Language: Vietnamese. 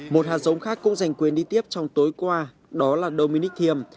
một hạt giống khác cũng giành quyền đi tiếp trong tối qua đó là dominic thiêm